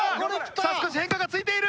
さあ少し変化がついている！